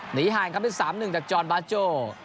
หนีห่างครับที่๓๑จากจอร์นบาร์โจ